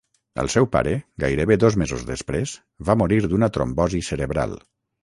El seu pare, gairebé dos mesos després, va morir d'una trombosi cerebral.